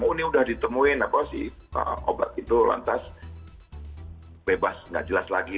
oh ini udah ditemuin apa si obat itu lantas bebas nggak jelas lagi